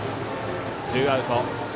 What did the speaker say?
ツーアウト。